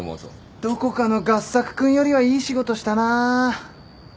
どこかの合作君よりはいい仕事したな。